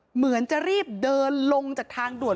เหมือนจะรีบเดินลงจากทางด่วน